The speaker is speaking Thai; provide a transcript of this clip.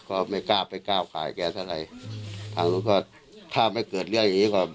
ก็ไม่กล้าไปกล้าวขายแกเท่าไรทำไมก็ถ้าไม่เกิดเรื่องอย่างนี้ก็